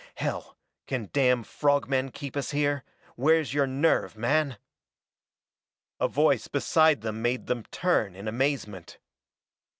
Hell, can damn frog men keep us here? Where's your nerve, man?" A voice beside them made them turn in amazement.